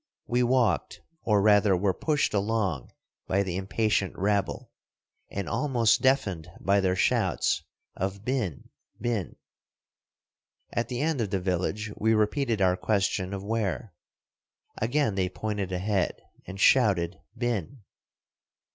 We walked, or rather were pushed along by the impatient rabble, and almost deafened by their shouts of "Bin, bin!" At the end of the village we repeated our question of where. Again they pointed ahead, and shouted, "Bin!"